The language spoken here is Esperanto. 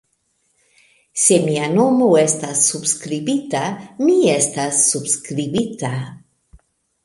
Se mia nomo estas subskribita, mi estas subskribita.